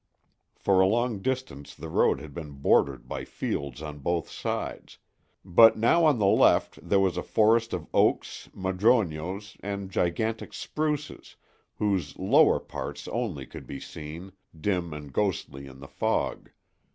For a long distance the road had been bordered by fields on both sides, but now on the left there was a forest of oaks, madroños, and gigantic spruces whose lower parts only could be seen, dim and ghostly in the fog.